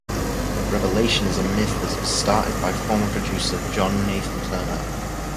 The revelation is a myth that was started by former producer John Nathan-Turner.